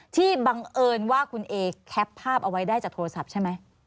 บังเอิญว่าคุณเอแคปภาพเอาไว้ได้จากโทรศัพท์ใช่ไหม